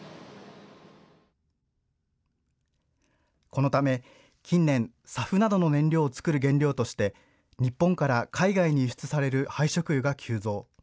このため、近年、ＳＡＦなどの燃料を作る原料として日本から海外に輸出される廃食油が急増。